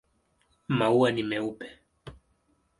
Maua ni meupe.